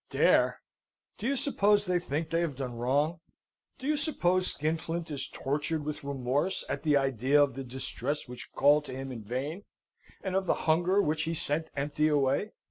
Dare? Do you suppose they think they have done wrong? Do you suppose Skinflint is tortured with remorse at the idea of the distress which called to him in vain, and of the hunger which he sent empty away?